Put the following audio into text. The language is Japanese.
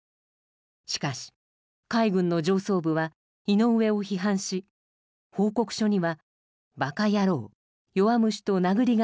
しかし海軍の上層部は井上を批判し報告書には「バカヤロウ」「弱虫」となぐり書きをされたといいます。